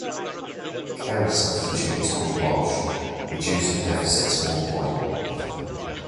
Kerry substitute Tommy Walsh reduced the deficit to one point.